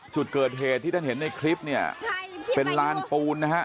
จุดเกิดเหตุที่ท่านเห็นในคลิปเนี่ยเป็นลานปูนนะฮะ